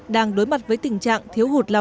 đều đối mặt với tình trạng thiếu hụt